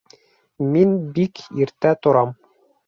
Мин бик иртә торам